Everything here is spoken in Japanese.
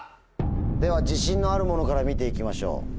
では自信のあるものから見て行きましょう。